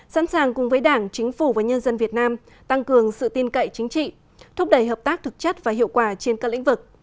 sẵn sàng cùng với đảng chính phủ và nhân dân việt nam tăng cường sự tin cậy chính trị thúc đẩy hợp tác thực chất và hiệu quả trên các lĩnh vực